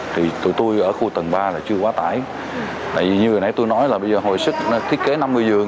thì tụi tôi ở khu tầng ba là chưa quá tải tại vì như hồi nãy tôi nói là bây giờ hồi sức thiết kế năm mươi giường